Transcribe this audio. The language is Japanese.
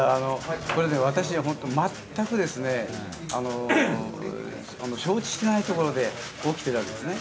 私は全く承知していないところで起きているわけですね。